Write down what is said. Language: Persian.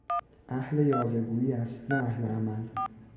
اهل یاوهگویی است نه اهل عمل.